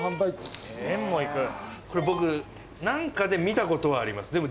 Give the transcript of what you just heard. これ僕何かで見たことはあります。